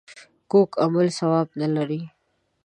کوږ عمل ثواب نه لري